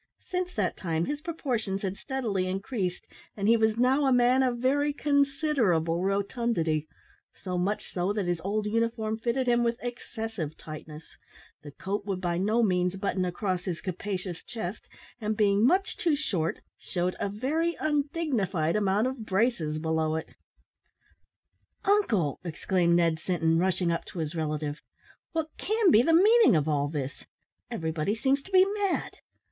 Since that time his proportions had steadily increased, and he was now a man of very considerable rotundity so much so, that his old uniform fitted him with excessive tightness; the coat would by no means button across his capacious chest, and, being much too short, shewed a very undignified amount of braces below it. "Uncle!" exclaimed Ned Sinton, rushing up to his relative, "what can be the meaning of all this? Everybody seems to be mad.